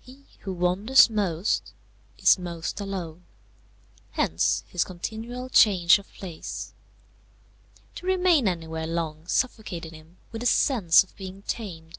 He who wanders most is most alone; hence his continual change of place. To remain anywhere long suffocated him with the sense of being tamed.